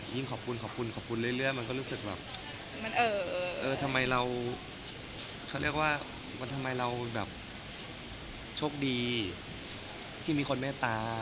ยิ่งขอบคุณเรื่อยมันก็รู้สึกว่าทำไมเราโชคดีที่มีคนแม่ตะ